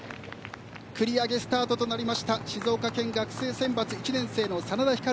繰り上げスタートとなりました静岡県学生選抜１年生の眞田ひかる。